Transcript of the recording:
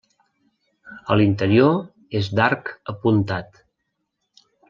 A l'interior és d'arc apuntat.